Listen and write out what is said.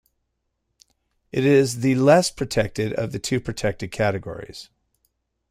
It is the less protected of the two protected categories.